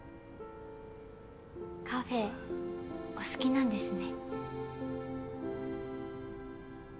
カフェお好きなんですね。